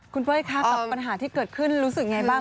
คุณเป้ยคะกับปัญหาที่เกิดขึ้นรู้สึกยังไงบ้าง